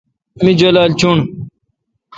می جولال چوݨڈ۔